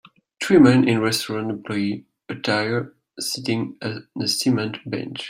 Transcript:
Three men in restaurant employee attire sitting on a cement bench.